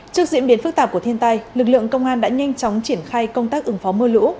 trước diễn biến phức tạp của thiên tai lực lượng công an đã nhanh chóng triển khai công tác ứng phó mưa lũ